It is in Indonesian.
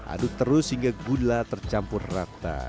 aduk terus hingga gula tercampur rata